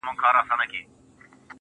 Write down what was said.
نن بيا يوې پيغلي په ټپه كـي راتـه وژړل.